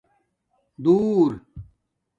دُور